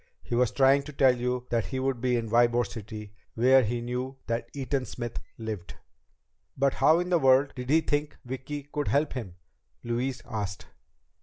He was trying to tell you that he would be in Ybor City, where he knew that Eaton Smith lived." "But how in the world did he think Vicki could help him?" Louise asked.